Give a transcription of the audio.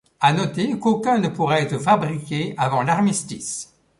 A noter qu'aucun ne pourra être fabriqué avant l'armistice.